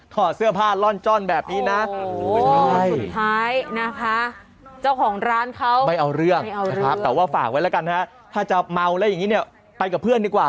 ถ้าจะเมาใบ่อย่างนี้๑๖๐๐นนไปกับเพื่อนดีกว่า